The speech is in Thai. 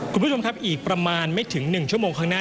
คุณผู้ชมครับอีกประมาณไม่ถึง๑ชั่วโมงข้างหน้า